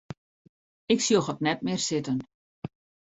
Ik sjoch it net mear sitten.